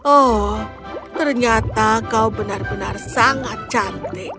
oh ternyata kau benar benar sangat cantik